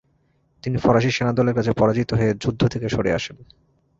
তিনি ফরাসী সেনাদলের কাছে পরাজিত হয়ে যুদ্ধ থেকে সরে আসেন।